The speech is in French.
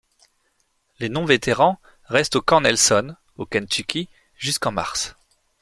Les non vétérans restent au camp Nelson, au Kentucky jusqu'en mars.